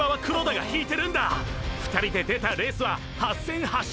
２人で出たレースは８戦８勝！！